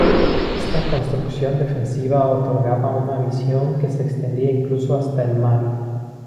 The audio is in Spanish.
Esta construcción defensiva otorgaba una visión que se extendía incluso hasta el mar.